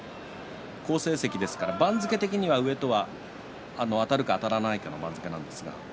好成績ですから番付的には上とあたるかあたらないかの番付ですけどね。